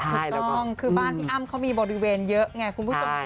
ถูกต้องคือบ้านพี่อ้ำเขามีบริเวณเยอะไงคุณผู้ชม